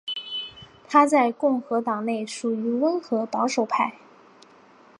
他在共和党内属于温和保守派。